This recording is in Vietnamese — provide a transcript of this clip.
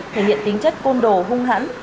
thể hiện tính chất côn đồ hung hẳn